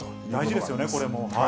大事ですよね、これも。